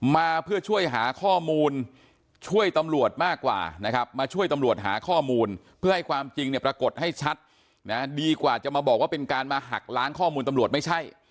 มาเพื่อช่วยหาข้อมูลช่วยตำรวจมากกว่านะครับมาช่วยตำรวจหาข้อมูลเพื่อให้ความจริงเนี่ยปรากฏให้ชัดนะดีกว่าจะมาบอกว่าเป็นการมาหักล้างข้อมูลตำรวจไม่ใช่